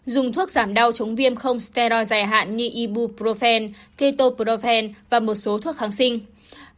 dùng thuốc giảm đau chống viêm không steroi dài hạn như ibuprofen ketoprofen và một số thuốc kháng sinh